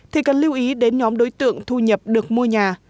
thì cần lưu ý đến nhóm đối tượng thu nhập được mua nhà